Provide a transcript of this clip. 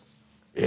え！